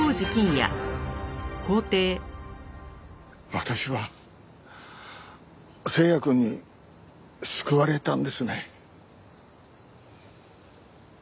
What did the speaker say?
私は星也くんに救われたんですね。